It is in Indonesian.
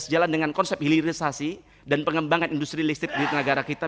sejalan dengan konsep hilirisasi dan pengembangan industri listrik di negara kita